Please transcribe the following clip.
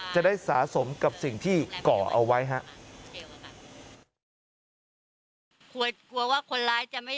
จะได้สะสมกับสิ่งที่เกาะเอาไว้